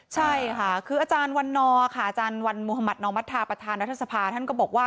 ใช่ค่ะคืออาจารย์วันนอร์ค่ะอาจารย์วันมุธมัธนอมัธาประธานรัฐสภาท่านก็บอกว่า